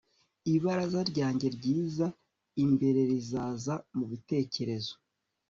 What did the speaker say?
ibaraza ryanjye ryiza imbere rizaza mubitekerezo